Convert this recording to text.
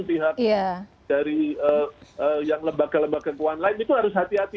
pihak dari yang lembaga lembaga keuangan lain itu harus hati hati